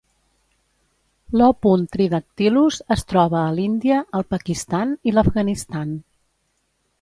L'O. tridactylus es troba a l'Índia, el Pakistan i l'Afganistan.